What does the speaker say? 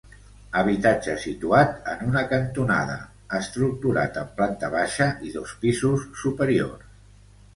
Habitatge situat en una cantonada estructurat en planta baixa i dos pisos superiors.